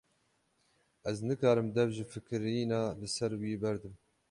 Ez nikarim dev ji fikirîna li ser wî berdim.